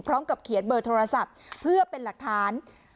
พร้อมกับเขียนเบอร์โทรศัพท์เพื่อเป็นหลักฐาน